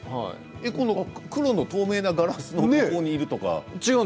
黒の透明なガラスのところにいるとか。